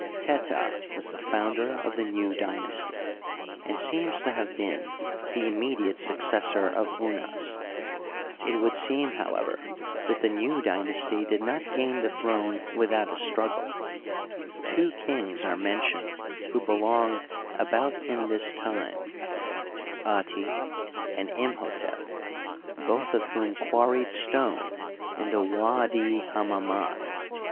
Teta was the founder of the new dynasty, and seems to have been the immediate successor of Unas, It would seem, however, that the new dynasty did not gain the throne vdthout a struggle ; two kings are mentioned who belong about in this time — Ati and ImhStep — both of whom quarried stone in the W4di Hammamdt.